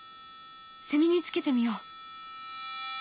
セミにつけてみよう。